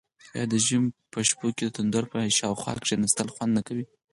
آیا د ژمي په شپو کې د تندور په شاوخوا کیناستل خوند نه کوي؟